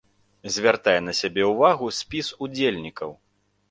Звяртае на сябе ўвагу спіс удзельнікаў.